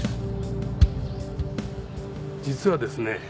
実はですね